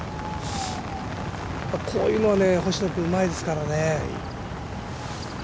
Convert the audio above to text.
こういうのが星野君うまいですからね。